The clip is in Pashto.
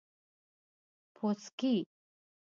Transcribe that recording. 🍄🟫 پوڅکي